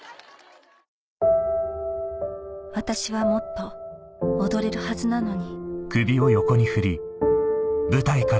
「私はもっと踊れるはずなのに」